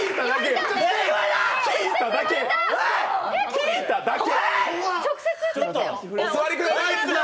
聞いただけ。